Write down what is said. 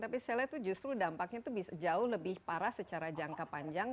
tapi saya lihat itu justru dampaknya itu jauh lebih parah secara jangka panjang